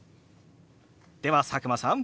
では佐久間さん